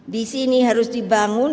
di sini harus dibangun